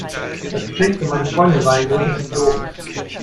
Das Geschenk für meine Freundin war ein Griff ins Klo.